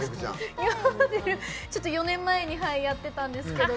ちょっと４年前にやってたんですけど